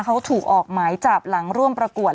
เขาถูกออกหมายจับหลังร่วมประกวด